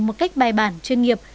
một cách bài bản chuyên nghiệp